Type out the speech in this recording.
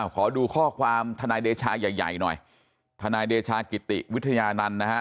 ขอดูข้อความทนายเดชาใหญ่ใหญ่หน่อยทนายเดชากิติวิทยานันต์นะฮะ